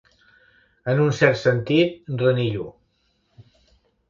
En un cert sentit, renillo.